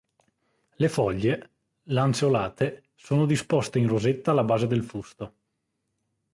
Le foglie, lanceolate, sono disposte in rosetta alla base del fusto.